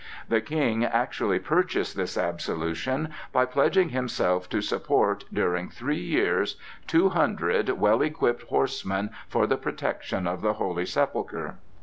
The King actually purchased this absolution by pledging himself to support, during three years, two hundred well equipped horsemen for the protection of the Holy Sepulchre.